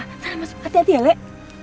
tidak masuk hati hati ya lek